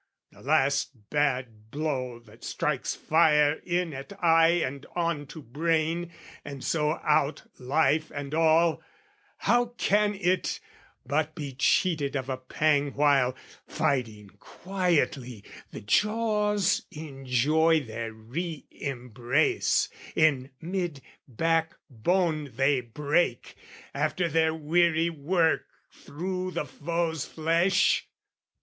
The last bad blow that strikes fire in at eye And on to brain, and so out, life and all, How can it but be cheated of a pang While, fighting quietly, the jaws enjoy Their re embrace in mid back bone they break, After their weary work thro' the foes' flesh?